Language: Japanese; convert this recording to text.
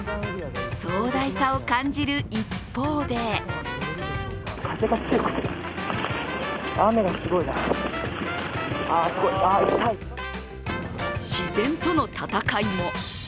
壮大さを感じる一方で自然との戦いも。